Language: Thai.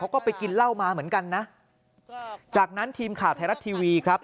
ก็ไปกินเหล้ามาเหมือนกันนะจากนั้นทีมข่าวไทยรัฐทีวีครับ